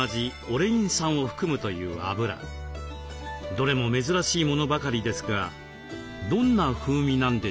どれも珍しいものばかりですがどんな風味なんでしょうか？